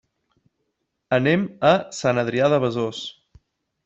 Anem a Sant Adrià de Besòs.